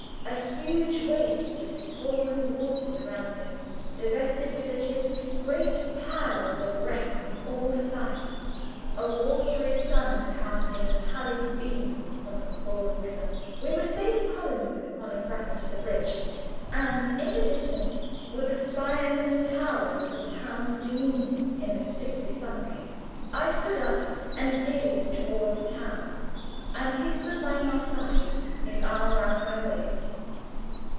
A huge waste of swollen waters around us, devastated villages, great piles of wreck on all sides; a watery sun casting pallid beams upon the swollen river. We were sailing Hollandward upon a fragment of the bridge, and in the distance were the spires and towers of a town gleaming in the sickly sun rays. I stood up and gazed toward that town, and he stood by my side, his arm round my waist.